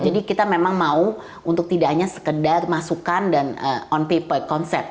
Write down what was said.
jadi kita memang mau untuk tidak hanya sekedar masukkan dan on paper konsep